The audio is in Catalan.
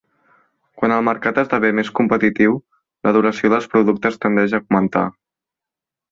Quan el mercat esdevé més competitiu, la duració dels productes tendeix a augmentar.